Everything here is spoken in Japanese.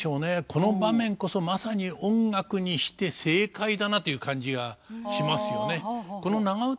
この場面こそまさに音楽にして正解だなという感じがしますよね。